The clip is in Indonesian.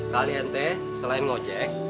kalian teh selain ngojek